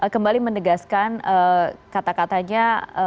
kembali menegaskan kata katanya